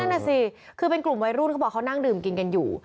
นั่นน่ะสิคือเป็นกลุ่มวัยรุ่นเขาบอกเขานั่งดื่มกินกันอยู่